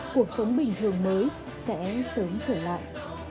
cuộc sống bình thường mới sẽ sớm trở lại